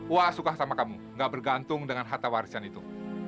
wak suka sama kamu nggak bergantung dengan harta warisan itu